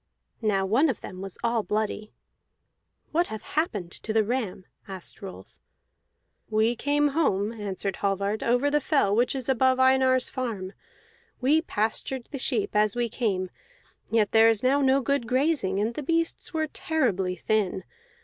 Now one of them was all bloody. "What hath happened to the ram?" asked Rolf. "We came home," answered Hallvard, "over the fell which is above Einar's farm; we pastured the sheep as we came, yet there is now no good grazing, and the beasts were terribly thin.